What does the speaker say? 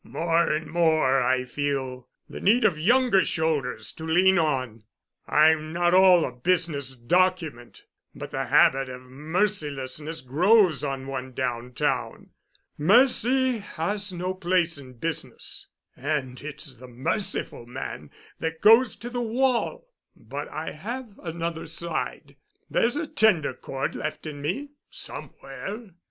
More and more I feel the need of younger shoulders to lean on. I'm not all a business document, but the habit of mercilessness grows on one downtown. Mercy has no place in business, and it's the merciful man that goes to the wall. But I have another side. There's a tender chord left in me somewhere.